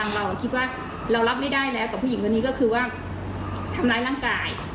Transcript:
หลายแรงที่สุดที่ทางเราคิดว่าเรารับไม่ได้แล้วกับผู้หญิงตัวนี้ก็คือว่าทำร้ายร่างกาย